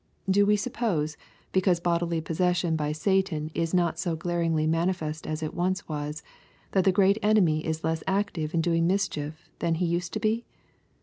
Do we suppose, because bodily possession by Satan is not so glaringly manifest as it once was, that the great enemy is less active in doing mischief than he used to be